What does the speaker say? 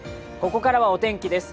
ここからはお天気です。